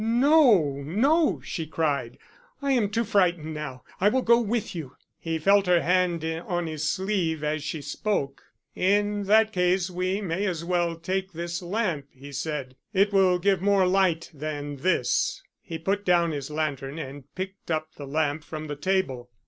"No, no!" she cried, "I am too frightened now. I will go with you!" He felt her hand on his sleeve as she spoke. "In that case we may as well take this lamp," he said. "It will give more light than this." He put down his lantern and picked up the lamp from the table.